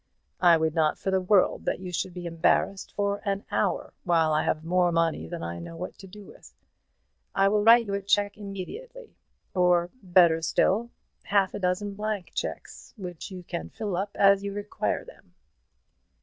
I would not for the world that you should be embarrassed for an hour, while I have more money than I know what to do with. I will write you a cheque immediately, or, better still, half a dozen blank cheques, which you can fill up as you require them."